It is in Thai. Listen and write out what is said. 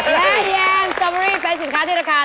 และแยมสตอเบอรี่เป็นสินค้าที่ราคา